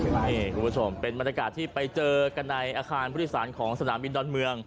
นี่คุณผู้ชมเป็นบรรยากาศที่ไปเจอกันในอาคารผู้โดยสารของสนามบินดอนเมือง